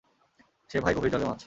সে ভাই গভীর জলের মাছ!